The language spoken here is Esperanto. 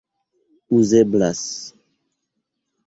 uzeblas